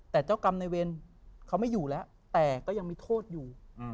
แต่เจ้ากรรมในเวรเขาไม่อยู่แล้วแต่ก็ยังมีโทษอยู่